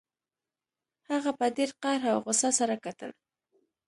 هغه په ډیر قهر او غوسه سره کتل